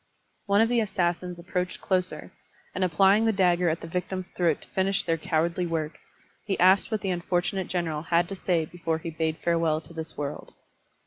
One of the assassins approached closer, and applying the dagger at the victim's throat to fimsh their cowardly work, he asked what the unfortunate general had to say before he bade farewell to this world.